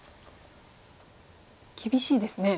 厳しいですね。